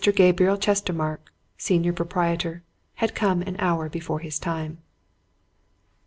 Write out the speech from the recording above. Gabriel Chestermarke, senior proprietor, had come an hour before his time.